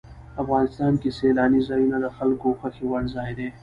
افغانستان کې سیلاني ځایونه د خلکو خوښې وړ ځای دی.